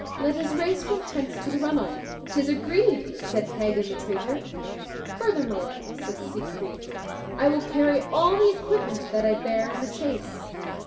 "Let us race from hence to the runnel." "'Tis agreed," said Hagen the traitor. "Furthermore," said Siegfried, "I will carry all the equipment that I bare in the chase."